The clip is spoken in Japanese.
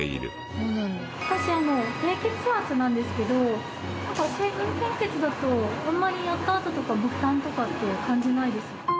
私低血圧なんですけど成分献血だとあんまりやったあととかも負担とかって感じないです。